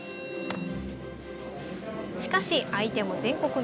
しかし相手も全国の強豪。